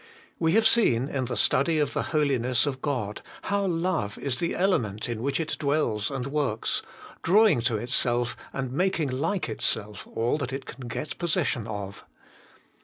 We have seen, in the study of the holiness of God, how love is the element in which it dwells and works, drawing to itself and making like itself all that it can get possession of.